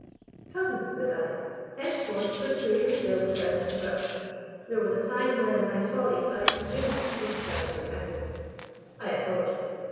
"Cousin," said I, "henceforth pursue your tale without interruption. There was a time when, in my folly, I presumed to criticise your methods. I apologise."